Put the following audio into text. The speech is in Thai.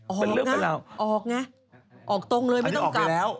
ออกตรงเลยไม่ต้องกลับ